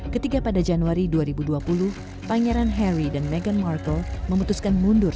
ketika pada januari dua ribu dua puluh pangeran harry dan meghan markle memutuskan mundur